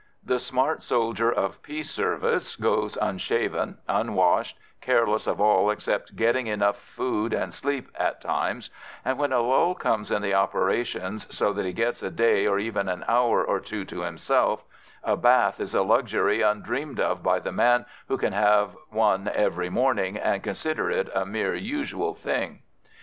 The smart soldier of peace service goes unshaven, unwashed, careless of all except getting enough of food and sleep at times; and when a lull comes in the operations, so that he gets a day or even an hour or two to himself, a bath is a luxury undreamed of by the man who can have one every morning and consider it a mere usual thing.